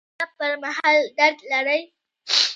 ایا د تشناب پر مهال درد لرئ؟